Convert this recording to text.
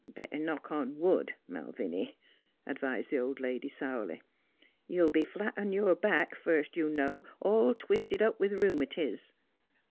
" Better knock on wood, Malviny," advised the old lady sourly. " You'll be flat on your back, first you know, all twisted up with rheumatiz."